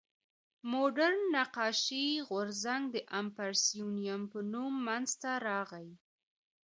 مډرن نقاشي غورځنګ د امپرسیونیېم په نوم منځ ته راغی.